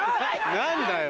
何だよ。